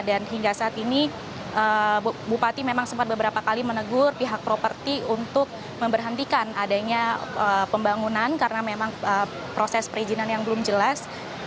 dan hingga saat ini bupati memang sempat beberapa kali menegur pihak properti untuk memberhentikan adanya pembangunan karena memang proses perizinan yang belum jelas